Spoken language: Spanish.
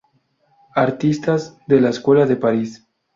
Artistas de la Escuela de París".